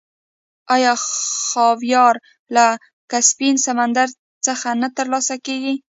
آیا خاویار له کسپین سمندر څخه نه ترلاسه کیږي؟